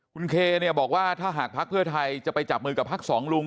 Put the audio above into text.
คุณเคบอกว่าถ้าหากภักดิ์เพื่อไทยจะไปจับมือกับพักสองลุง